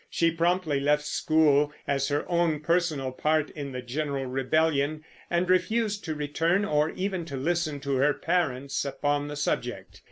She promptly left school, as her own personal part in the general rebellion, and refused to return or even to listen to her parents upon the subject.